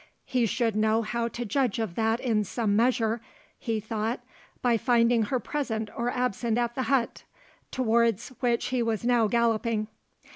He should know how to judge of that in some measure, he thought, by finding her present or absent at the hut, towards which he was now galloping.